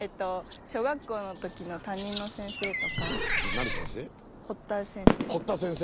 何先生？